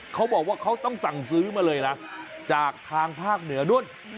เขาบอกว่าเขาต้องสั่งซื้อมาเลยนะจากทางภาคเหนือนู้น